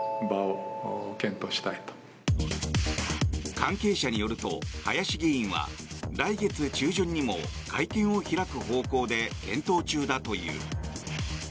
関係者によると林議員は来月中旬にも会見を開く方向で検討中だという。